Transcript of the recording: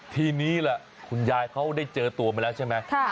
ทีนี้ล่ะคุณยายเขาได้เจอตัวมาแล้วใช่ไหม